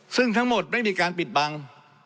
ซึ่งทั้งหมดไม่มีการปิดบัง